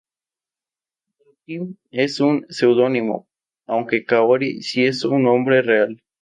Yuki es un pseudónimo, aunque Kaori si es su nombre real.